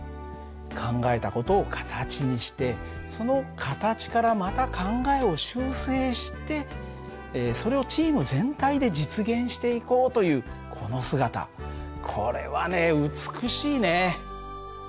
考えた事を形にしてその形からまた考えを修正してそれをチーム全体で実現していこうというこの姿これはね美しいね。